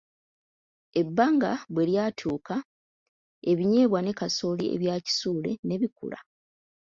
Ebbanga bwe lyatuuka ebinyeebwa ne kasooli ebya Kisuule ne bikula.